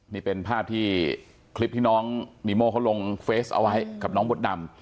นี่เป็นภาพที่คลิปที่น้องนีโม่เขาลงเฟสเอาไว้กับน้องมดดำ